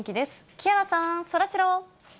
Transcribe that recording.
木原さん、そらジロー。